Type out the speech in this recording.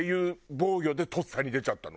防御でとっさに出ちゃったの？